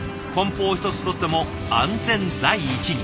梱包一つとっても安全第一に。